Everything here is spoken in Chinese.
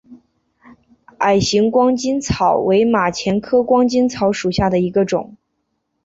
矮形光巾草为马钱科光巾草属下的一个种。